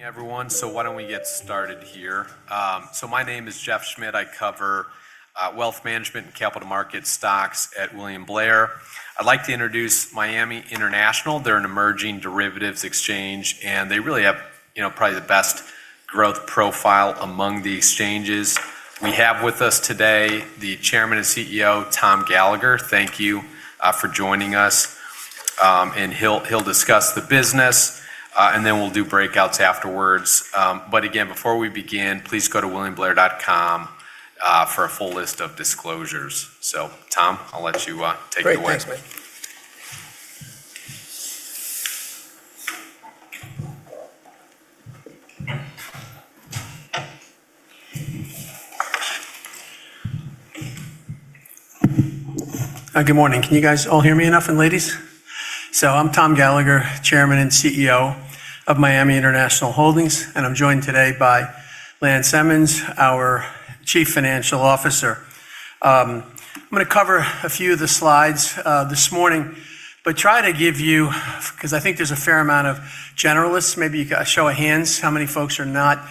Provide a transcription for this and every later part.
Everyone, why don't we get started here. My name is Jeff Schmitt. I cover wealth management and capital markets stocks at William Blair. I'd like to introduce Miami International. They're an emerging derivatives exchange, and they really have probably the best growth profile among the exchanges. We have with us today the Chairman and CEO, Tom Gallagher. Thank you for joining us. He'll discuss the business, and then we'll do breakouts afterwards. Again, before we begin, please go to williamblair.com for a full list of disclosures. Tom, I'll let you take it away. Great. Thanks, mate. Good morning. Can you guys all hear me enough, and ladies? I'm Tom Gallagher, Chairman and Chief Executive Officer of Miami International Holdings, and I'm joined today by Lance Emmons, our Chief Financial Officer. I'm going to cover a few of the slides this morning, but try to give you, because I think there's a fair amount of generalists. Maybe a show of hands, how many folks are not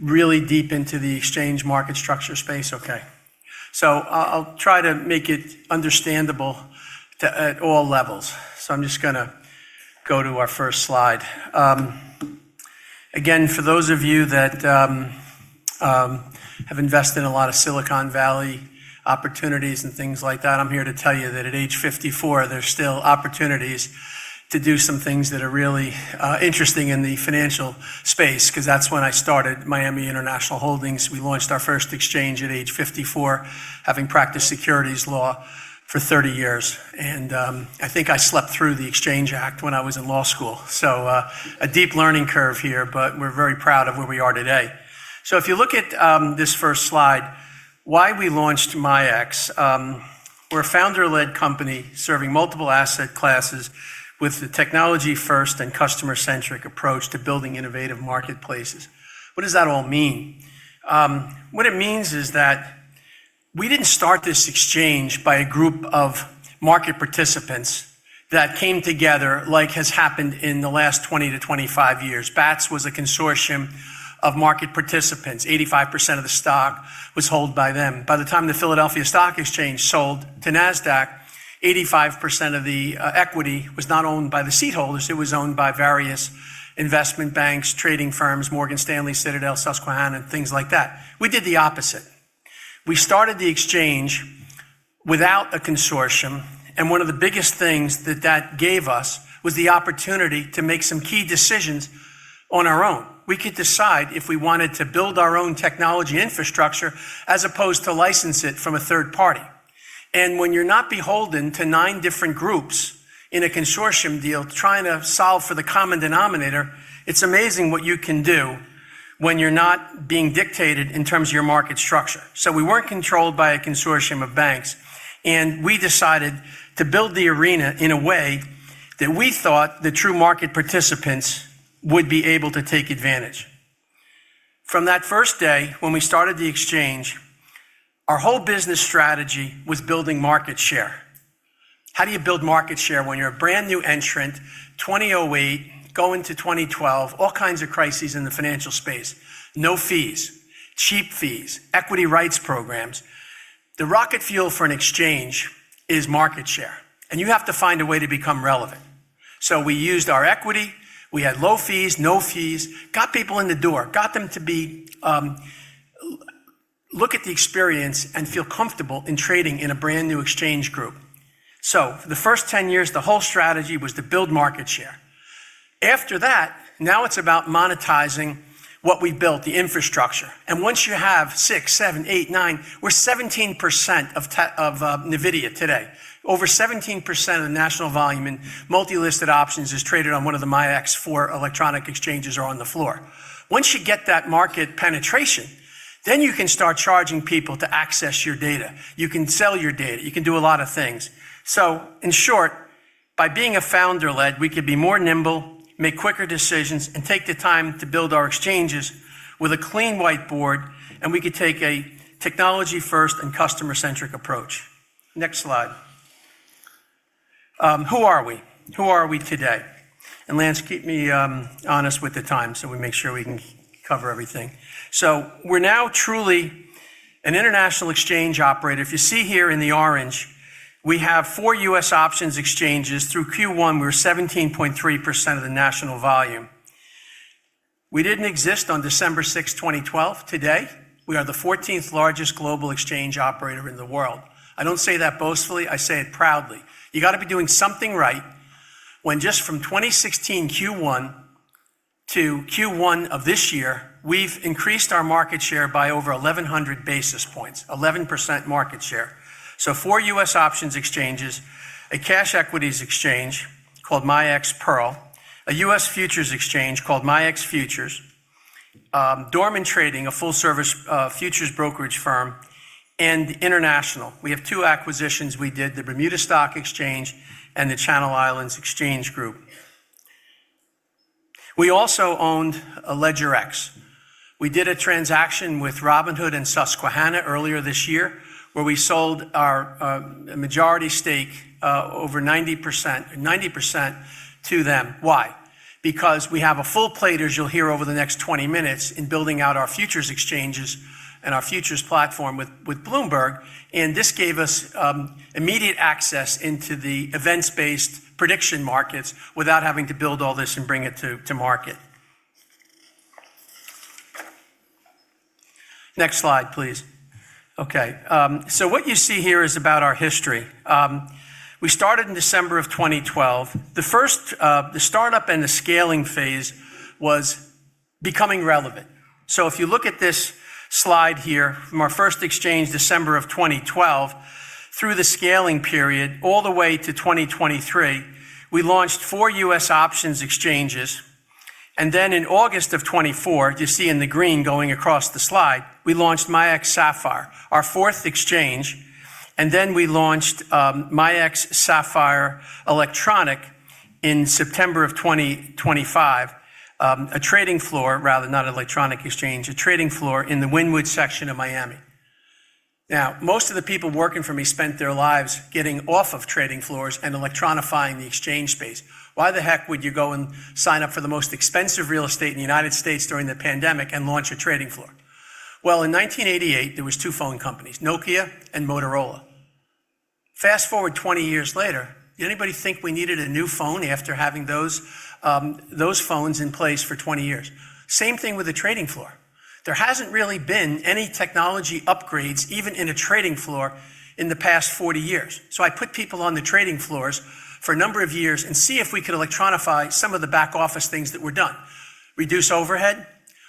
really deep into the exchange market structure space? Okay. I'll try to make it understandable at all levels. I'm just going to go to our first slide. Again, for those of you that have invested in a lot of Silicon Valley opportunities and things like that, I'm here to tell you that at age 54, there's still opportunities to do some things that are really interesting in the financial space, because that's when I started Miami International Holdings. We launched our first exchange at age 54, having practiced securities law for 30 years. I think I slept through the Exchange Act when I was in law school. A deep learning curve here, but we're very proud of where we are today. If you look at this first slide, why we launched MIAX. We're a founder-led company serving multiple asset classes with the technology first and customer-centric approach to building innovative marketplaces. What does that all mean? What it means is that we didn't start this exchange by a group of market participants that came together like has happened in the last 20-25 years. Bats was a consortium of market participants. 85% of the stock was held by them. By the time the Philadelphia Stock Exchange sold to Nasdaq, 85% of the equity was not owned by the seat holders. It was owned by various investment banks, trading firms, Morgan Stanley, Citadel, Susquehanna, things like that. We did the opposite. One of the biggest things that that gave us was the opportunity to make some key decisions on our own. We could decide if we wanted to build our own technology infrastructure as opposed to license it from a third party. When you're not beholden to nine different groups in a consortium deal trying to solve for the common denominator, it's amazing what you can do when you're not being dictated in terms of your market structure. We weren't controlled by a consortium of banks, and we decided to build the arena in a way that we thought the true market participants would be able to take advantage. From that first day when we started the exchange, our whole business strategy was building market share. How do you build market share when you're a brand-new entrant, 2008, go into 2012, all kinds of crises in the financial space. No fees, cheap fees, equity rights programs. The rocket fuel for an exchange is market share, and you have to find a way to become relevant. We used our equity, we had low fees, no fees, got people in the door, got them to look at the experience and feel comfortable in trading in a brand-new exchange group. For the first 10 years, the whole strategy was to build market share. After that, now it's about monetizing what we built, the infrastructure. Once you have six, seven, eight, nine, we're 17% of NVIDIA today. Over 17% of the national volume in multi-listed options is traded on one of the MIAX four electronic exchanges or on the floor. Once you get that market penetration, then you can start charging people to access your data. You can sell your data. You can do a lot of things. In short, by being founder-led, we could be more nimble, make quicker decisions, and take the time to build our exchanges with a clean whiteboard, and we could take a technology first and customer-centric approach. Next slide. Who are we? Who are we today? Lance, keep me honest with the time so we make sure we can cover everything. We're now truly an international exchange operator. If you see here in the orange, we have four U.S. options exchanges. Through Q1, we're 17.3% of the national volume. We didn't exist on December 6, 2012. Today, we are the 14th largest global exchange operator in the world. I don't say that boastfully. I say it proudly. You got to be doing something right when just from 2016 Q1 to Q1 of this year, we've increased our market share by over 1,100 basis points, 11% market share. Four U.S. options exchanges, a cash equities exchange called MIAX Pearl, a U.S. futures exchange called MIAX Futures, Dorman Trading, a full-service futures brokerage firm, and international. We have two acquisitions we did, the Bermuda Stock Exchange and The International Stock Exchange Group Limited. We also owned LedgerX. We did a transaction with Robinhood and Susquehanna earlier this year, where we sold our majority stake, over 90%, to them. Why? Because we have a full plate, as you'll hear over the next 20 minutes, in building out our futures exchanges and our futures platform with Bloomberg. This gave us immediate access into the events-based prediction markets without having to build all this and bring it to market. Next slide, please. Okay. What you see here is about our history. We started in December of 2012. The startup and the scaling phase was becoming relevant. If you look at this slide here, from our first exchange December of 2012 through the scaling period all the way to 2023, we launched four U.S. options exchanges. In August of 2024, you see in the green going across the slide, we launched MIAX Sapphire, our fourth exchange, and then we launched MIAX Sapphire Electronic in September of 2025. A trading floor, rather, not an electronic exchange, a trading floor in the Wynwood section of Miami. Most of the people working for me spent their lives getting off of trading floors and electronifying the exchange space. Why the heck would you go and sign up for the most expensive real estate in the U.S. during the pandemic and launch a trading floor? In 1988, there was two phone companies, Nokia and Motorola. Fast-forward 20 years later, did anybody think we needed a new phone after having those phones in place for 20 years? Same thing with the trading floor. There hasn't really been any technology upgrades, even in a trading floor, in the past 40 years. I put people on the trading floors for a number of years and see if we could electronify some of the back office things that were done. Reduce overhead,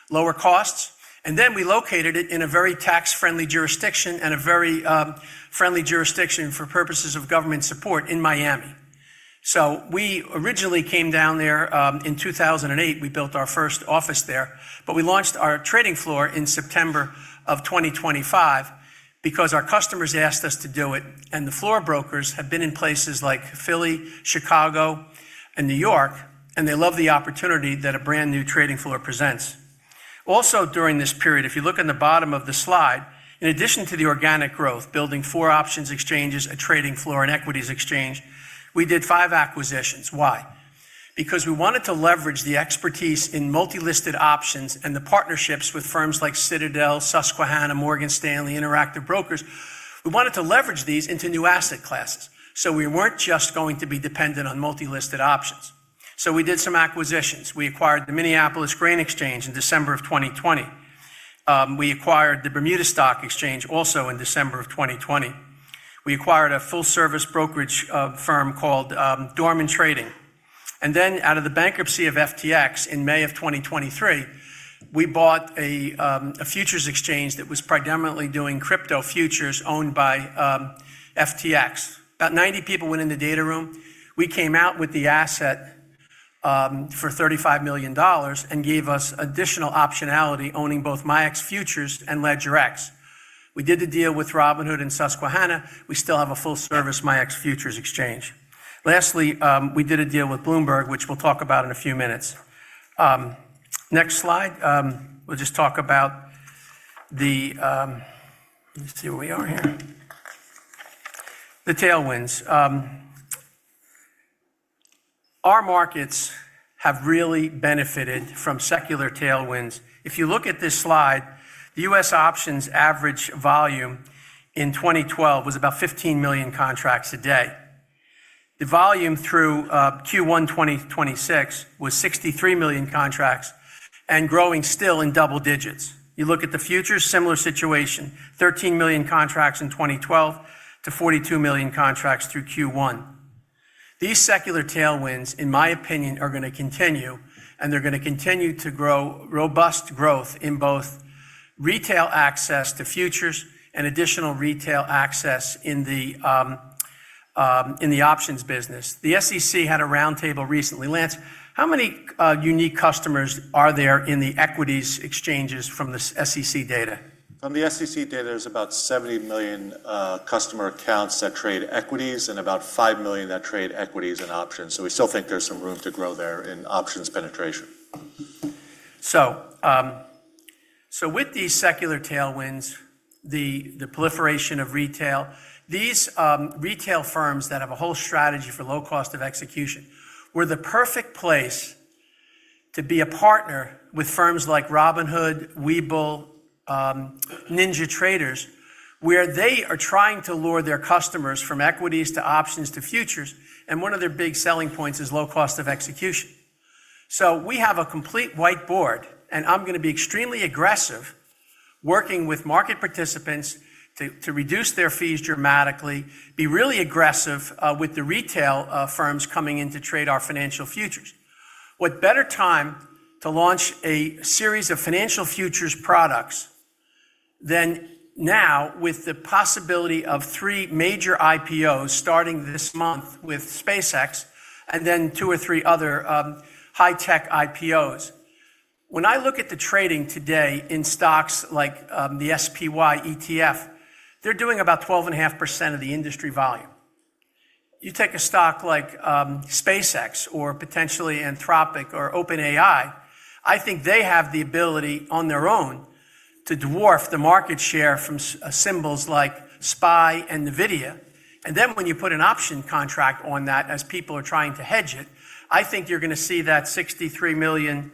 lower costs, we located it in a very tax-friendly jurisdiction and a very friendly jurisdiction for purposes of government support in Miami. We originally came down there in 2008. We built our first office there. We launched our trading floor in September of 2025 because our customers asked us to do it, and the floor brokers have been in places like Philadelphia, Chicago, and New York, and they love the opportunity that a brand-new trading floor presents. Also during this period, if you look in the bottom of the slide, in addition to the organic growth, building four options exchanges, a trading floor, and equities exchange, we did five acquisitions. Why? Because we wanted to leverage the expertise in multi-listed options and the partnerships with firms like Citadel, Susquehanna, Morgan Stanley, Interactive Brokers. We wanted to leverage these into new asset classes. We weren't just going to be dependent on multi-listed options. We did some acquisitions. We acquired the Minneapolis Grain Exchange in December of 2020. We acquired the Bermuda Stock Exchange also in December of 2020. We acquired a full-service brokerage firm called Dorman Trading. Out of the bankruptcy of FTX in May of 2023, we bought a futures exchange that was predominantly doing crypto futures owned by FTX. About 90 people went in the data room. We came out with the asset for $35 million and gave us additional optionality, owning both MIAX Futures and LedgerX. We did the deal with Robinhood and Susquehanna. We still have a full-service MIAX Futures Exchange. Lastly, we did a deal with Bloomberg, which we'll talk about in a few minutes. Next slide. We'll just talk about Let me see where we are here. The tailwinds. Our markets have really benefited from secular tailwinds. If you look at this slide, the U.S. options average volume in 2012 was about 15 million contracts a day. The volume through Q1 2026 was 63 million contracts and growing still in double digits. You look at the futures, similar situation. 13 million contracts in 2012 to 42 million contracts through Q1. These secular tailwinds, in my opinion, are going to continue, and they're going to continue to grow robust growth in both retail access to futures and additional retail access in the options business. The SEC had a roundtable recently. Lance, how many unique customers are there in the equities exchanges from the SEC data? From the SEC data, there's about 70 million customer accounts that trade equities and about 5 million that trade equities and options. We still think there's some room to grow there in options penetration. With these secular tailwinds, the proliferation of retail. These retail firms that have a whole strategy for low cost of execution were the perfect place to be a partner with firms like Robinhood, Webull, NinjaTrader, where they are trying to lure their customers from equities to options to futures, and one of their big selling points is low cost of execution. We have a complete whiteboard, and I'm going to be extremely aggressive working with market participants to reduce their fees dramatically, be really aggressive with the retail firms coming in to trade our financial futures. What better time to launch a series of financial futures products than now with the possibility of three major IPOs starting this month with SpaceX and then two or three other high-tech IPOs. When I look at the trading today in stocks like the SPY ETF, they're doing about 12.5% of the industry volume. You take a stock like SpaceX or potentially Anthropic or OpenAI, I think they have the ability on their own to dwarf the market share from symbols like SPY and NVIDIA. When you put an option contract on that, as people are trying to hedge it, I think you're going to see that $63 million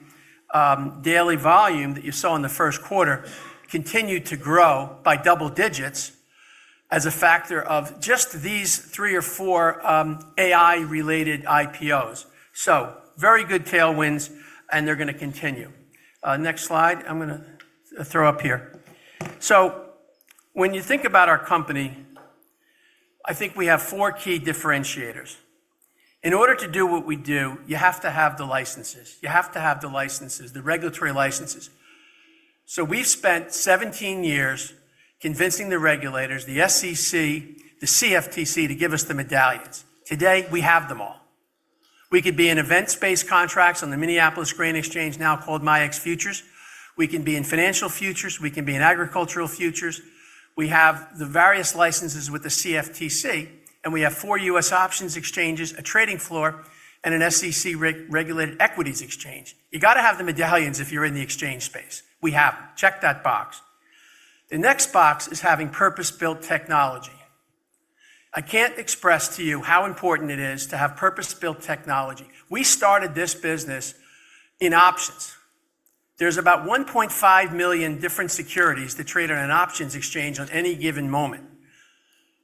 daily volume that you saw in the Q1 continue to grow by double digits as a factor of just these three or four AI-related IPOs. Very good tailwinds, and they're going to continue. Next slide I'm going to throw up here. When you think about our company, I think we have four key differentiators. In order to do what we do, you have to have the licenses. You have to have the licenses, the regulatory licenses. We've spent 17 years convincing the regulators, the SEC, the CFTC, to give us the medallions. Today, we have them all. We could be in event-based contracts on the Minneapolis Grain Exchange, now called MIAX Futures. We can be in financial futures. We can be in agricultural futures. We have the various licenses with the CFTC, and we have four U.S. options exchanges, a trading floor, and an SEC-regulated equities exchange. You got to have the medallions if you're in the exchange space. We have them. Check that box. The next box is having purpose-built technology. I can't express to you how important it is to have purpose-built technology. We started this business in options. There's about 1.5 million different securities that trade on an options exchange on any given moment.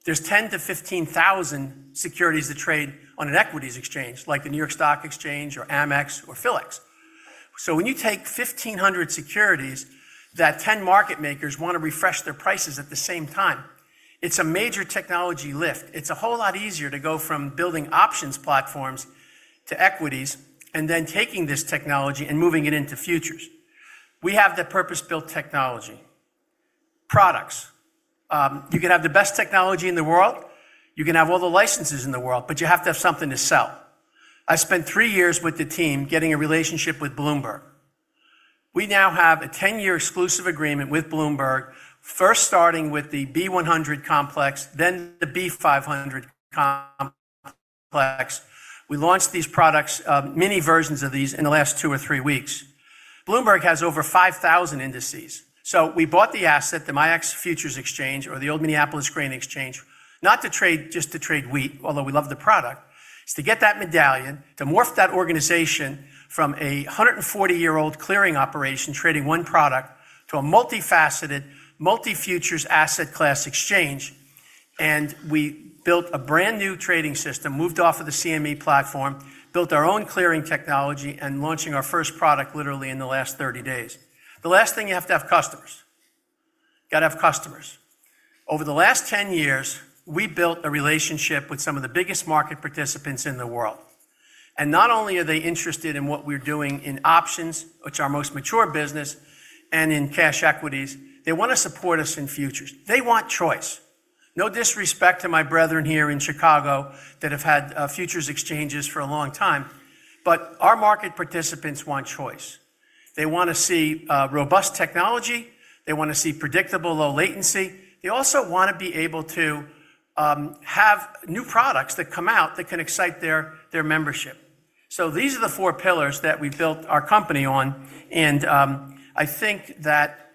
There's 10,000 to 15,000 securities that trade on an equities exchange, like the New York Stock Exchange or AMEX or PHLX. When you take 1,500 securities that 10 market makers want to refresh their prices at the same time, it's a major technology lift. It's a whole lot easier to go from building options platforms to equities and then taking this technology and moving it into futures. We have the purpose-built technology. Products. You can have the best technology in the world, you can have all the licenses in the world, but you have to have something to sell. I spent three years with the team getting a relationship with Bloomberg. We now have a 10-year exclusive agreement with Bloomberg, first starting with the B100 Complex, then the B500 Complex. We launched these products, mini versions of these, in the last two or three weeks. Bloomberg has over 5,000 indices. We bought the asset, the MIAX Futures Exchange, or the old Minneapolis Grain Exchange, not just to trade wheat, although we love the product. It's to get that medallion, to morph that organization from a 140-year-old clearing operation trading one product to a multifaceted, multi-futures asset class exchange. We built a brand-new trading system, moved off of the CME platform, built our own clearing technology, and launching our first product literally in the last 30 days. The last thing, you have to have customers. Got to have customers. Over the last 10 years, we built a relationship with some of the biggest market participants in the world. Not only are they interested in what we're doing in options, which are our most mature business, and in cash equities, they want to support us in futures. They want choice. No disrespect to my brethren here in Chicago that have had futures exchanges for a long time. Our market participants want choice. They want to see robust technology. They want to see predictable low latency. They also want to be able to have new products that come out that can excite their membership. These are the four pillars that we built our company on, and I think that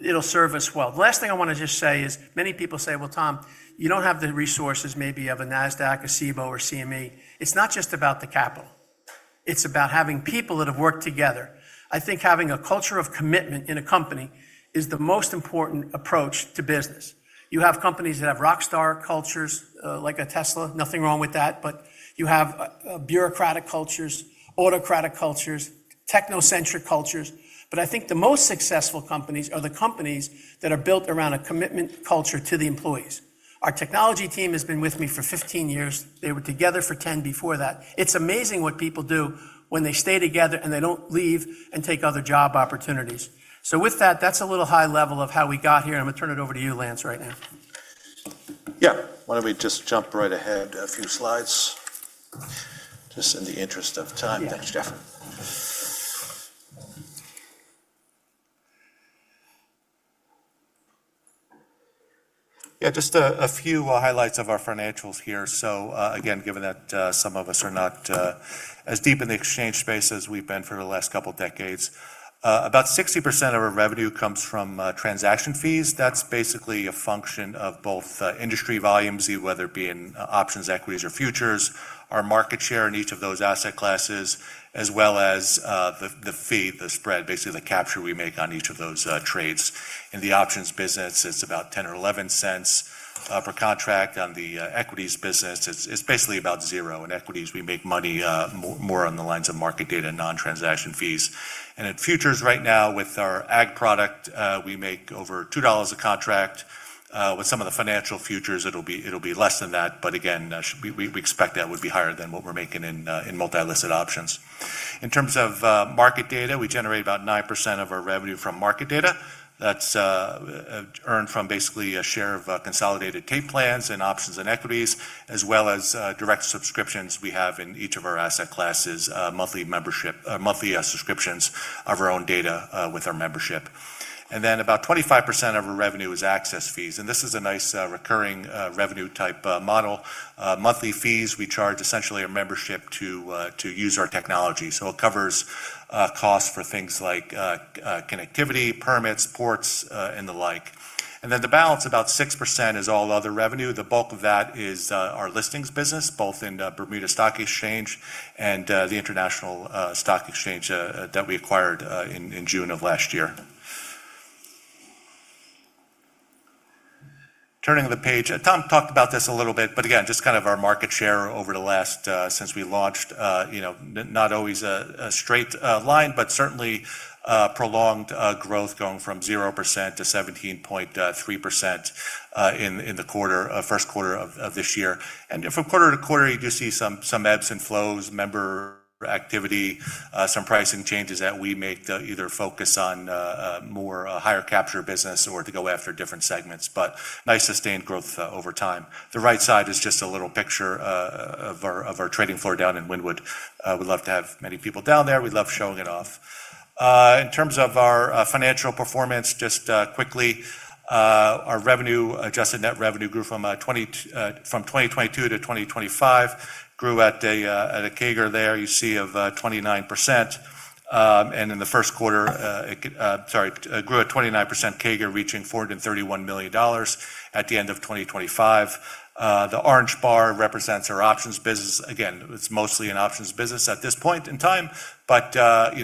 it'll serve us well. The last thing I want to just say is, many people say, "Well, Tom, you don't have the resources maybe of a Nasdaq, a Cboe, or CME." It's not just about the capital. It's about having people that have worked together. I think having a culture of commitment in a company is the most important approach to business. You have companies that have rockstar cultures, like a Tesla. Nothing wrong with that, you have bureaucratic cultures, autocratic cultures, techno-centric cultures. I think the most successful companies are the companies that are built around a commitment culture to the employees. Our technology team has been with me for 15 years. They were together for 10 before that. It's amazing what people do when they stay together and they don't leave and take other job opportunities. With that's a little high level of how we got here, and I'm going to turn it over to you, Lance, right now. Yeah. Why don't we just jump right ahead a few slides, just in the interest of time. Thanks, Jeff. Yeah, just a few highlights of our financials here. Again, given that some of us are not as deep in the exchange space as we've been for the last couple decades. About 60% of our revenue comes from transaction fees. That's basically a function of both industry volumes, whether it be in options, equities, or futures, our market share in each of those asset classes, as well as the fee, the spread, basically the capture we make on each of those trades. In the options business, it's about $0.10 or $0.11 per contract. On the equities business, it's basically about zero. In equities, we make money more on the lines of market data and non-transaction fees. In futures right now with our ag product, we make over $2 a contract. With some of the financial futures, it'll be less than that. Again, we expect that would be higher than what we're making in multi-listed options. In terms of market data, we generate about 9% of our revenue from market data. That's earned from basically a share of consolidated tape plans and options and equities, as well as direct subscriptions we have in each of our asset classes, monthly subscriptions of our own data with our membership. Then about 25% of our revenue is access fees. This is a nice recurring revenue-type model. Monthly fees, we charge essentially a membership to use our technology. It covers costs for things like connectivity, permits, ports, and the like. Then the balance, about 6%, is all other revenue. The bulk of that is our listings business, both in the Bermuda Stock Exchange and the International Stock Exchange that we acquired in June of last year. Turning the page. Tom talked about this a little bit, but again, just our market share over the last, since we launched. Not always a straight line, but certainly prolonged growth going from 0% to 17.3% in the Q1 of this year. From quarter-to-quarter, you do see some ebbs and flows, member activity, some pricing changes that we make that either focus on more higher capture business or to go after different segments, but nice sustained growth over time. The right side is just a little picture of our trading floor down in Wynwood. We love to have many people down there. We love showing it off. In terms of our financial performance, just quickly, our adjusted net revenue grew from 2022 to 2025, grew at a CAGR there you see of 29%. In the Q1, sorry, grew at 29% CAGR, reaching $431 million at the end of 2025. The orange bar represents our options business. Again, it's mostly an options business at this point in time, but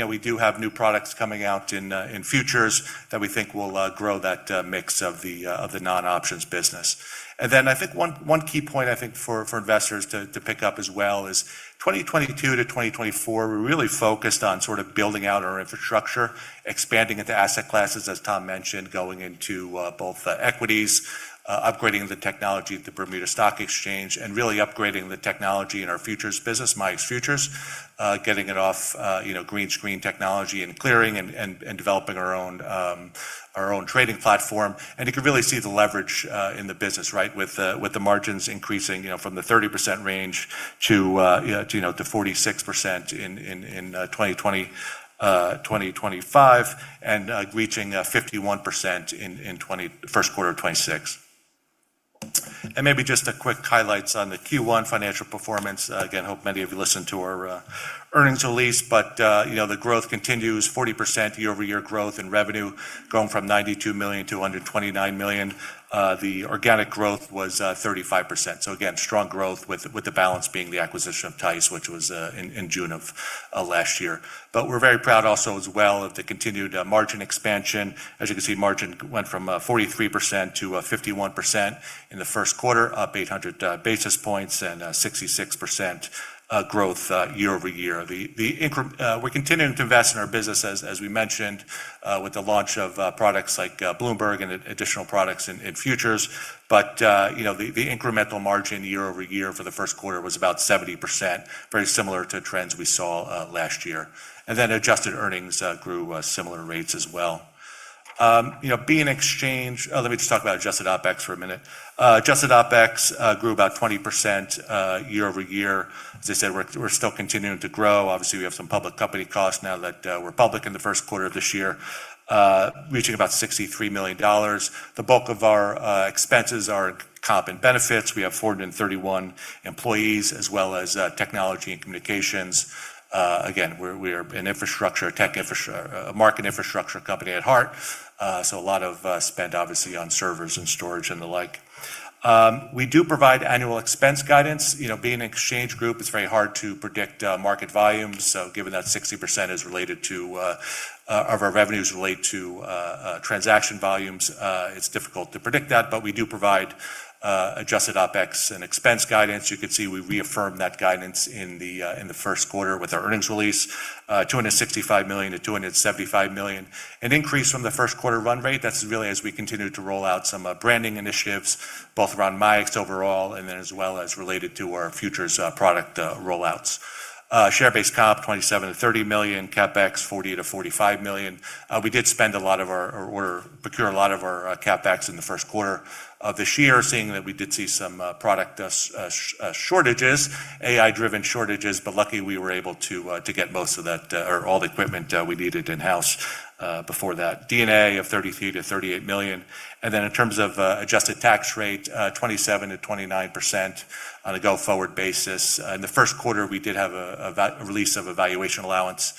we do have new products coming out in futures that we think will grow that mix of the non-options business. I think one key point I think for investors to pick up as well is 2022 to 2024, we really focused on building out our infrastructure, expanding into asset classes, as Tom mentioned, going into both equities, upgrading the technology at the Bermuda Stock Exchange, and really upgrading the technology in our futures business, MIAX Futures. Getting it off green screen technology and clearing and developing our own trading platform. You can really see the leverage in the business, right, with the margins increasing from the 30% range to 46% in 2025, and reaching 51% in Q1 of 2026. Maybe just a quick highlights on the Q1 financial performance. Again, hope many of you listened to our earnings release. The growth continues, 40% year-over-year growth in revenue, going from $92 million-$129 million. The organic growth was 35%. Again, strong growth with the balance being the acquisition of TISE, which was in June of last year. We're very proud also as well of the continued margin expansion. As you can see, margin went from 43% to 51% in the Q1, up 800 basis points and 66% growth year-over-year. We're continuing to invest in our business as we mentioned, with the launch of products like Bloomberg and additional products in futures. The incremental margin year-over-year for the Q1 was about 70%, very similar to trends we saw last year. Adjusted earnings grew similar rates as well. Let me just talk about adjusted OpEx for a minute. Adjusted OpEx grew about 20% year-over-year. As I said, we're still continuing to grow. Obviously, we have some public company costs now that we're public in the Q1 of this year, reaching about $63 million. The bulk of our expenses are comp and benefits. We have 431 employees as well as technology and communications. Again, we're an infrastructure tech, a market infrastructure company at heart. A lot of spend obviously on servers and storage and the like. We do provide annual expense guidance. Being an exchange group, it's very hard to predict market volumes. Given that 60% of our revenues relate to transaction volumes, it's difficult to predict that. We do provide adjusted OpEx and expense guidance. You can see we reaffirmed that guidance in the Q1 with our earnings release, $265 million-$275 million. An increase from the Q1 run rate, that's really as we continue to roll out some branding initiatives, both around MIAX overall, and then as well as related to our futures product roll-outs. Share-based comp, $27 million-$30 million. CapEx, $40 million-$45 million. We did spend a lot of our, or procure a lot of our CapEx in the Q1 of this year, seeing that we did see some product shortages, AI-driven shortages. Luckily, we were able to get most of that, or all the equipment we needed in-house before that. D&A of $33 million-$38 million. In terms of adjusted tax rate, 27%-29% on a go-forward basis. In the Q1, we did have a release of a valuation allowance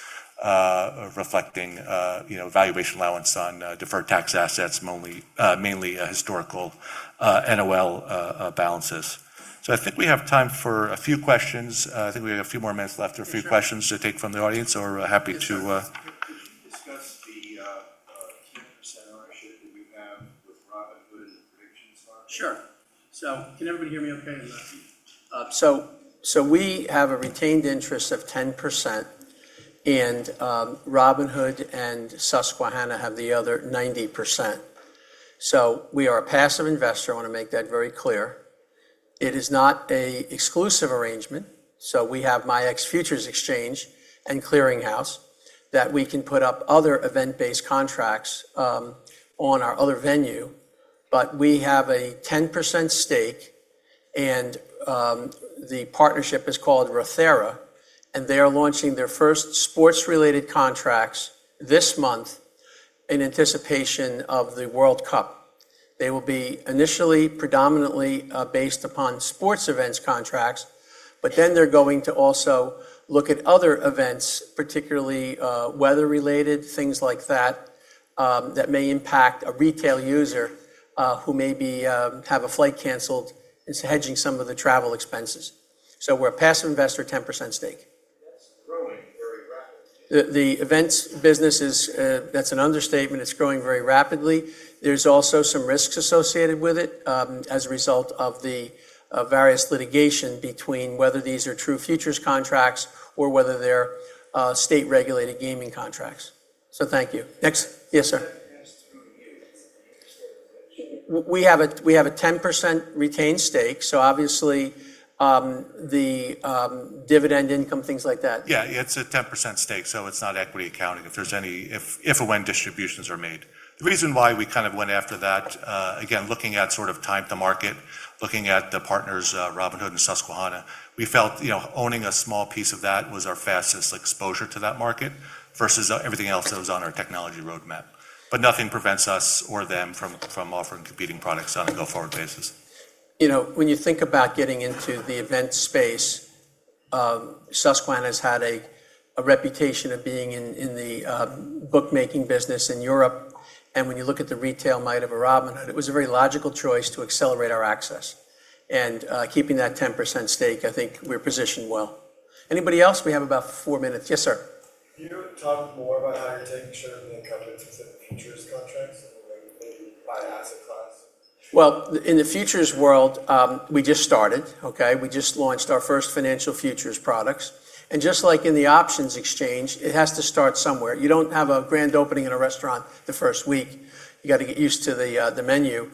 reflecting valuation allowance on deferred tax assets, mainly historical NOL balances. I think we have time for a few questions. I think we have a few more minutes left or a few questions to take from the audience. Could you discuss the 10% ownership that we have with Robinhood and predictions on it? Can everybody hear me okay in the back? We have a retained interest of 10%. Robinhood and Susquehanna have the other 90%. We are a passive investor, I want to make that very clear. It is not an exclusive arrangement, so we have MIAX Futures Exchange and clearinghouse that we can put up other event-based contracts on our other venue. We have a 10% stake, and the partnership is called Rothera, and they are launching their first sports-related contracts this month in anticipation of the World Cup. They will be initially predominantly based upon sports events contracts, but then they're going to also look at other events, particularly weather-related, things like that may impact a retail user who maybe have a flight canceled, is hedging some of the travel expenses. We're a passive investor, 10% stake. The events business, that's an understatement. It's growing very rapidly. There's also some risks associated with it, as a result of the various litigation between whether these are true futures contracts or whether they're state-regulated gaming contracts. Thank you. Next. Yes, sir. We have a 10% retained stake, so obviously, the dividend income, things like that. It's a 10% stake, so it's not equity accounting if and when distributions are made. The reason why we went after that, again, looking at time to market, looking at the partners, Robinhood and Susquehanna, we felt owning a small piece of that was our fastest exposure to that market versus everything else that was on our technology roadmap. Nothing prevents us or them from offering competing products on a go-forward basis. When you think about getting into the event space, Susquehanna's had a reputation of being in the bookmaking business in Europe, when you look at the retail might of a Robinhood, it was a very logical choice to accelerate our access. Keeping that 10% stake, I think we're positioned well. Anybody else? We have about four minutes. Yes, sir. Can you talk more about how you're taking share from the incumbents into the futures contracts in the regulated by asset class? In the futures world, we just started. Okay? We just launched our first financial futures products, and just like in the options exchange, it has to start somewhere. You don't have a grand opening in a restaurant the first week. You got to get used to the menu.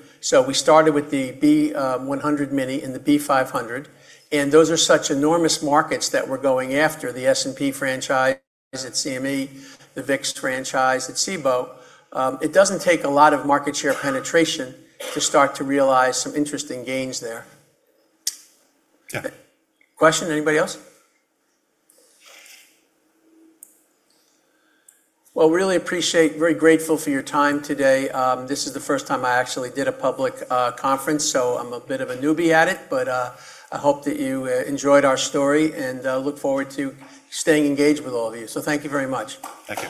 We started with the B 100 Mini and the B 500, and those are such enormous markets that we're going after. The S&P franchise at CME, the VIX franchise at Cboe. It doesn't take a lot of market share penetration to start to realize some interesting gains there. Question, anybody else? Well, I really appreciate, very grateful for your time today. This is the first time I actually did a public conference, so I'm a bit of a newbie at it, but I hope that you enjoyed our story and look forward to staying engaged with all of you. Thank you very much. Thank you.